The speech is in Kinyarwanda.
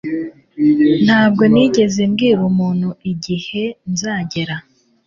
Ntabwo nigeze mbwira umuntu igihe nzagera